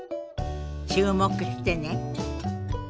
注目してね。